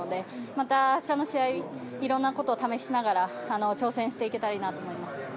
また明日の試合いろんなことを試しながら挑戦していけたらいいなと思います。